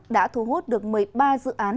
đã thu hút được một mươi ba dự án